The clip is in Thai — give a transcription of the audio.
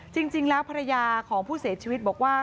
จริงแล้วภรรยาของผู้เสียชีวิตบอกว่า